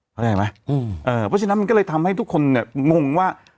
เข้าใจไหมเพราะฉะนั้นมันก็เลยทำให้ทุกคนเนี่ยงงว่า